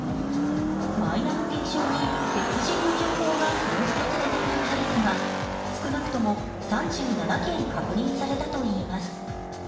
マイナ保険証に別人の情報がひも付けされているケースが少なくとも３７件確認されたといいます。